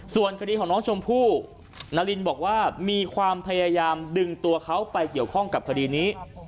ส่วนคดีของน้องชมพู่นารินบอกว่ามีความพยายามดึงตัวเขาไปเกี่ยวข้องกับคดีนี้